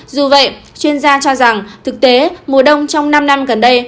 dù vậy chuyên gia cho rằng thực tế mùa đông trong năm năm gần đây